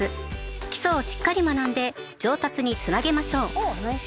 基礎をしっかり学んで上達につなげましょう。